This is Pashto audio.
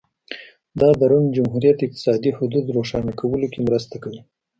دا د روم جمهوریت اقتصادي حدود روښانه کولو کې مرسته کوي